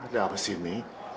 ada apa sih mi